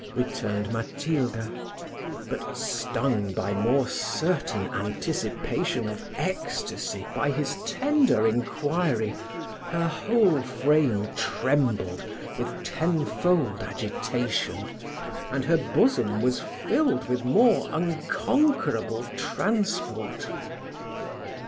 returned Matilda; but, stung by more certain anticipation of ecstasy by his tender inquiry, her whole frame trembled with tenfold agitation, and her bosom was filled with more unconquerable transport.